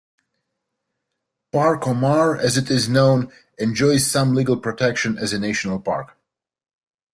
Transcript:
Parque Omar, as it is known, enjoys some legal protection as a national park.